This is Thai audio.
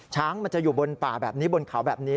ช้างมันจะอยู่บนป่าแบบนี้บนเขาแบบนี้